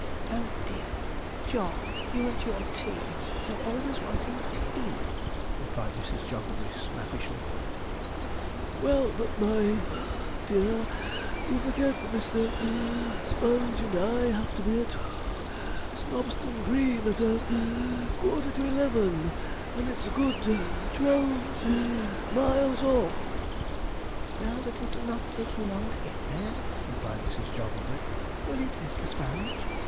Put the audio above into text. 'Oh dear. Jog, you and your tea! you're always wanting tea,' replied Mrs. Jogglebury snappishly. 'Well, but, my (puff) dear, you forget that Mr. (wheeze) Sponge and I have to be at (puff) Snobston Green at a (wheeze) quarter to eleven, and it's good twelve miles off.' 'Well, but it'll not take you long to get there,' replied Mrs. Jogglebury; 'will it, Mr. Sponge?'